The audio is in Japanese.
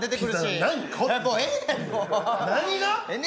何が？